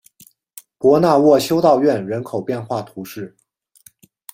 博纳沃修道院人口变化图示